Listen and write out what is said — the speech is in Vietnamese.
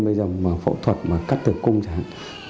bây giờ mà phẫu thuật mà cắt tử cung chẳng hạn